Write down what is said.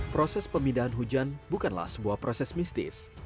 proses pemindahan hujan bukanlah sebuah proses mistis